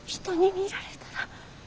人に見られたら。